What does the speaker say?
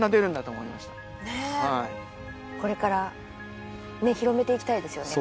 これから広めていきたいですよね。